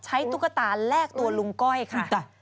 ตุ๊กตาแลกตัวลุงก้อยค่ะ